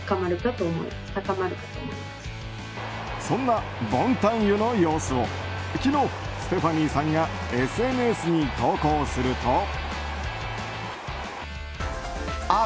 そんなボンタン湯の様子を昨日、ステファニーさんがＳＮＳに投稿すると。